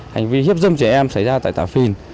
hành vi hiếp dâm trẻ em xảy ra tại tà phìn